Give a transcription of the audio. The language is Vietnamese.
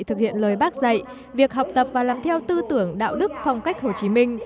truyền lời bác dạy việc học tập và làm theo tư tưởng đạo đức phong cách hồ chí minh